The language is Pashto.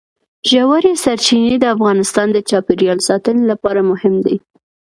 ژورې سرچینې د افغانستان د چاپیریال ساتنې لپاره مهم دي.